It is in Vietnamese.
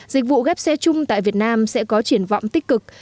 dịch vụ ghép xe chung tại việt nam sẽ có triển vọng tích cực